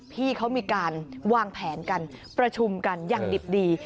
ที่เขามีการวางแผนกันประชุมกันอย่างดิบดี